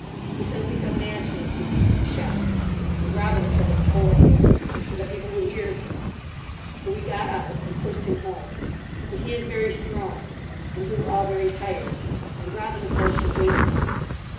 He says they come naturally to you when you shout. And Robina said it was horrible. And that people would hear him. So we got out. And pushed him home. But he is very strong. And we were all very tired. And Robina says she hates him.